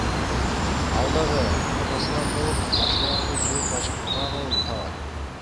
Ал дагы апасындай болуп машиналарды жууп ачка табат.